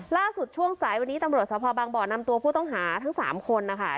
ช่วงสายวันนี้ตำรวจสภบางบ่อนำตัวผู้ต้องหาทั้ง๓คนนะคะ